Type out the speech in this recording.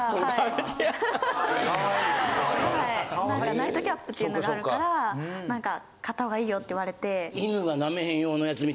ナイトキャップっていうのがあるから買った方がいいよって言われて。